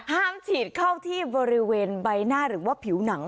ฉีดเข้าที่บริเวณใบหน้าหรือว่าผิวหนัง